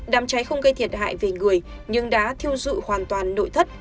đám cháy không gây thiệt hại về người nhưng đã thiêu dụi hoàn toàn nội thất